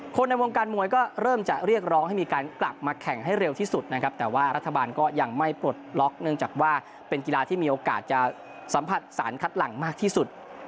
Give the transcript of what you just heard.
ในวงการมวยก็เริ่มจะเรียกร้องให้มีการกลับมาแข่งให้เร็วที่สุดนะครับแต่ว่ารัฐบาลก็ยังไม่ปลดล็อกเนื่องจากว่าเป็นกีฬาที่มีโอกาสจะสัมผัสสารคัดหลังมากที่สุด